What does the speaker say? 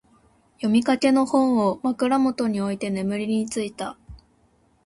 読みかけの本を、枕元に置いて眠りについた。